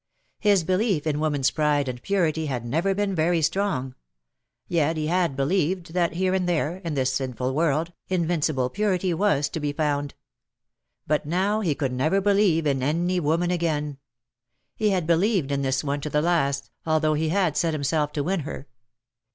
His belief in woman's pride and purity had never been very strong : yet he had believed that here and there, in this sinful world, invincible purity was to be found. But now he could never believe in any woman again. He had believed in this one to the last, although he had set himself to win her.